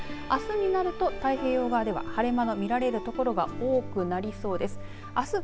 あすになると太平洋側では晴れ間の見られる所が多くなりそうです。